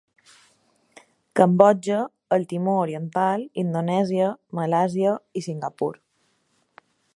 Cambodja, el Timor Oriental, Indonèsia, Malàisia i Singapur.